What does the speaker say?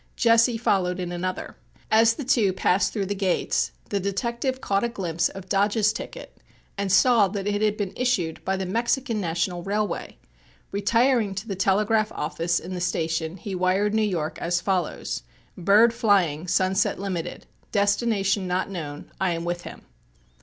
Jesse followed in another. As the two passed through the gates the detective caught a glimpse of Dodge's ticket and saw that it had been issued by the Mexican National Railway. Retiring to the telegraph office in the station he wired New York as follows: Bird flying. Sunset Limited. Destination not known. I am with him.